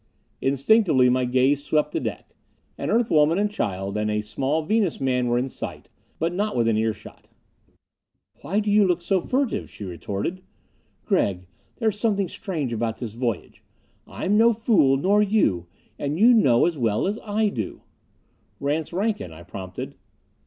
Instinctively my gaze swept the deck. An Earth woman and child and a small Venus man were in sight, but not within earshot. "Why do you look so furtive?" she retorted. "Gregg, there's something strange about this voyage. I'm no fool, nor you, and you know it as well as I do." "Rance Rankin " I prompted.